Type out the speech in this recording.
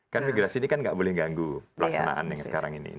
karena migrasi ini kan nggak boleh ganggu pelaksanaan yang sekarang ini